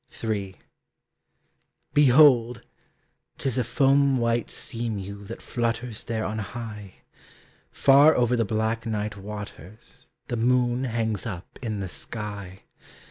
III. Behold! 'tis a foam white sea mew That flutters there on high. Far over the black night waters The moon hangs up in the sky.